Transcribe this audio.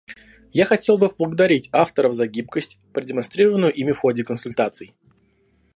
Я хотел бы поблагодарить авторов за гибкость, продемонстрированную ими в ходе консультаций.